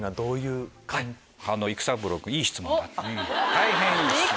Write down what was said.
大変いい質問。